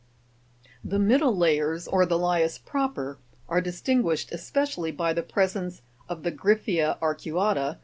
The middle layers, or the lias proper, are distinguished especially by the presence of the Gry'phea arcudta, (fig.